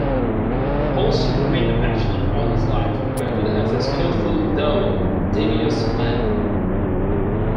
Holstein remained a bachelor all his life, regarded as a skillful though devious man.